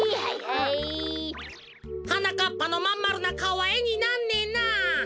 はなかっぱのまんまるなかおはえになんねえな。